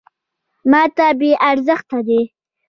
.ماته بې ارزښته دی .